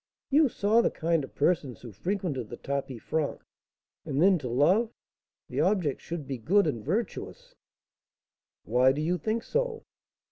"You saw the kind of persons who frequented the tapis franc. And then, to love, the object should be good and virtuous " "Why do you think so?"